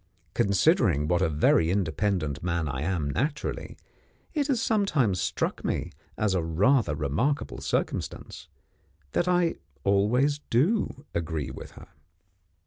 Considering what a very independent man I am naturally, it has sometimes struck me, as a rather remarkable circumstance, that I always do agree with her.